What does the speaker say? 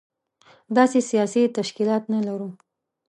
داسې سياسي تشکيلات نه لرو.